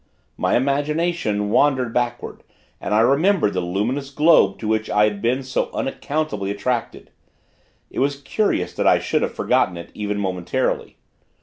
My imagination wandered backward, and I remembered the luminous globe to which I had been so unaccountably attracted. It was curious that I should have forgotten it, even momentarily.